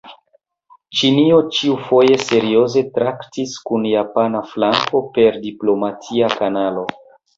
Ĉinio ĉiufoje serioze traktis kun japana flanko per diplomatia kanalo.